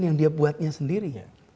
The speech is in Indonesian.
yang dia buatnya sendiri